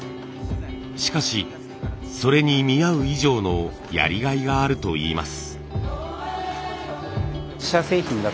しかしそれに見合う以上のやりがいがあるといいます。